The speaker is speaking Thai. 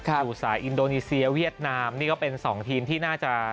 อยู่สายอินโดนีเซียเวียดนามนี่ก็เป็น๒ทีมที่น่าจะ